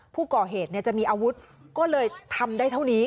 ผู้ก่อเหตุจะมีอาวุธก็เลยทำได้เท่านี้